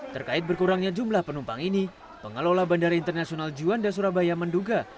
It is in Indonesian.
terkait berkurangnya jumlah penumpang ini pengelola bandara internasional juanda surabaya menduga